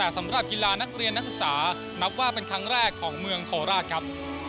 สำหรับกีฬานักเรียนนักศึกษานับว่าเป็นครั้งแรกของเมืองโคราชครับ